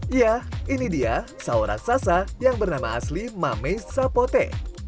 iya ini dia sawo raksasa yang bernama asli mame sapote